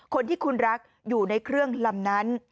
คนที่คุณรักอยู่ในเครื่องลำนั้น